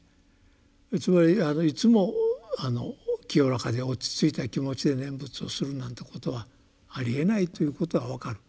つまりいつも清らかで落ち着いた気持ちで念仏をするなんてことはありえないということは分かる。